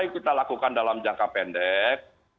kita lakukan dalam jangka pendek